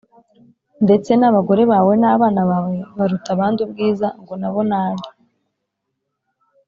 ndetse n’abagore bawe n’abana bawe baruta abandi ubwiza, ngo na bo ni abe”